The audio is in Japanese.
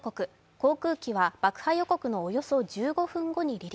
航空機は爆破予告のおよそ１５分後に離陸。